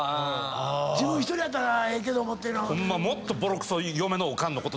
自分一人やったらええけどもっていうのは。